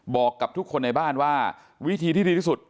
บอกกับทุกคนในบ้านว่าวิธีที่ดีที่สุด